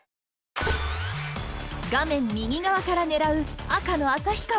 画面右側から狙う赤の旭川。